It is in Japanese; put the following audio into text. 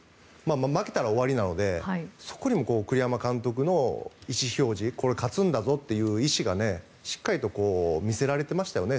負けたら終わりなのでそこにも栗山監督の意思表示勝つんだぞという意思がしっかりと見せられていましたよね。